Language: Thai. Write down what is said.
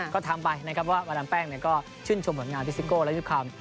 ก็ทำไปนะครับว่าวาดำแป้งก็ชื่นชมผลงานพิซิโกกรัม